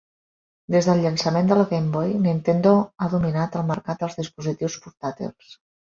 Des del llançament de la Game Boy, Nintendo ha dominat el mercat dels dispositius portàtils.